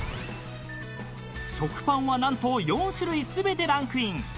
［食パンは何と４種類全てランクイン］